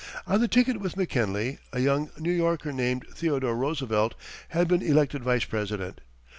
On the ticket with McKinley, a young New Yorker named Theodore Roosevelt had been elected Vice President.